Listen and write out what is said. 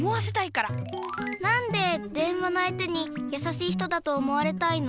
なんで電話の相手にやさしい人だと思われたいの？